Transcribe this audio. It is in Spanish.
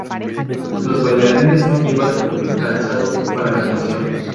Los bailarines no llevan calzado para la actuación.